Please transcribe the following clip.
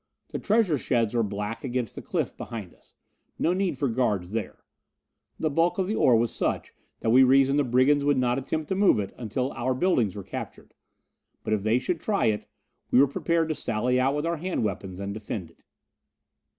The treasure sheds were black against the cliff behind us. No need for guards there the bulk of the ore was such that we reasoned the brigands would not attempt to move it until our buildings were captured. But, if they should try it, we were prepared to sally out with our hand weapons and defend it.